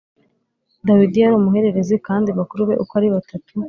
Dawidi yari umuhererezi, kandi bakuru be uko ari batatu